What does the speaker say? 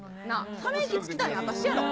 ため息つきたいの、私やろ。